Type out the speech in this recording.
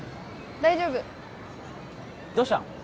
大丈夫どうしたの？